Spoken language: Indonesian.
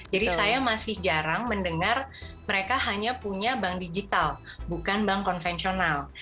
jadi saya masih jarang mendengar mereka hanya punya bank digital bukan bank konvensional